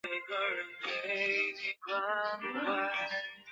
不过它在阿拉伯语中的发音则是。